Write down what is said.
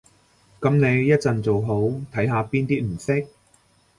噉你一陣做好，睇下邊啲唔識